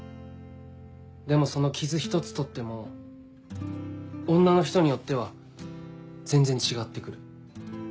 でもその傷ひとつとっても女の人によっては全然違って来る。